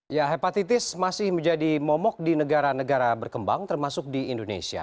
ya hepatitis masih menjadi momok di negara negara berkembang termasuk di indonesia